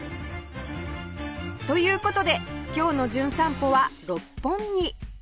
という事で今日の『じゅん散歩』は六本木